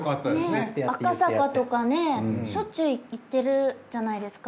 ねっ赤坂とかねしょっちゅう行ってるじゃないですか。